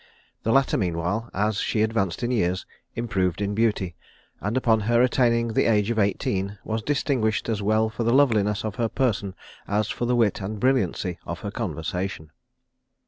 The latter, meanwhile, as she advanced in years, improved in beauty; and upon her attaining the age of eighteen was distinguished as well for the loveliness of her person as for the wit and brilliancy of her conversation.